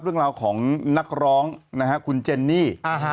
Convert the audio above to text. เรื่องของนักร้องคุณเจนนี่